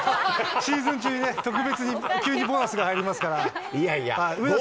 シーズン中に特別に急にボーナスが入りますから、上田さんは？